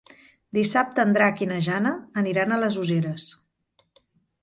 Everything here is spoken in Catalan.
Dissabte en Drac i na Jana aniran a les Useres.